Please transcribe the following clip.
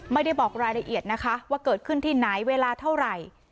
ไม่ได้บอกรายละเอียดนะคะว่าเกิดขึ้นที่ไหนเวลาเท่าไหร่